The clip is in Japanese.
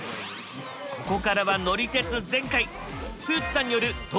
ここからは乗り鉄全開！